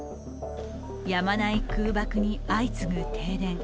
やまない空爆に、相次ぐ停電。